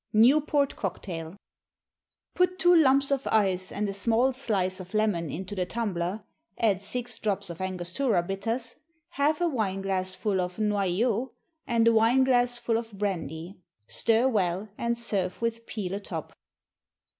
Newport Cocktail. Put two lumps of ice and a small slice of lemon into the tumbler, add six drops of Angostura bitters, half a wine glassful of noyau, and a wine glassful of brandy. Stir well, and serve with peel atop.